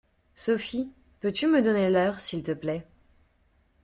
Sophie, peux-tu me donner l'heure s'il te plaît?